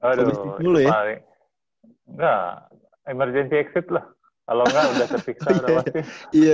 aduh ya emergency exit lah kalau nggak udah tersiksa